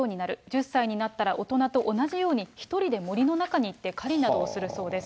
１０歳になったら大人と同じように、１人で森の中に行って狩りなどをするそうです。